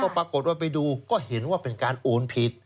ปรากฏว่าไปดูก็เห็นว่าเป็นการโอนผิด